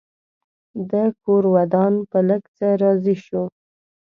ده کور ودان په لږ څه راضي شو.